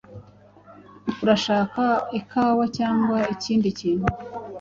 Urashaka ikawa cyangwa ikindi kintu?